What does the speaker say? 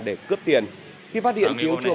để cướp tiền khi phát hiện tiếu chuồng